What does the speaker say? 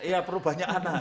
iya perlu banyak anak